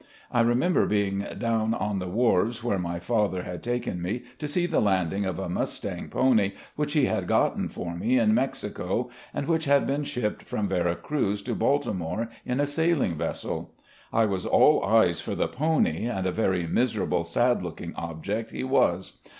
I remember being down on the wharves, where my father had taken me to see the landing of a mustang pony which he had gotten for me in Mexico, and which had been shipped from Vera Cruz to Baltimore in a sailing vessel. I was all eyes for the pony, and a very miserable, sad looking object he was.